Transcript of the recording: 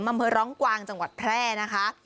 มร้องกวางจังหวัดแพร่นะคะ